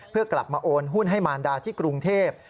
เพื่อกลับมาโอนหุ้นให้มารดาที่กรุงเทพ